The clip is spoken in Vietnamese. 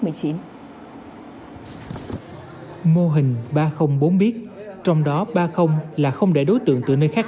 mô hình ba trăm linh bốn biết trong đó ba mươi là không để đối tượng tựa nơi khác